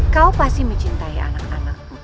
kau pasti mencintai anak anak buka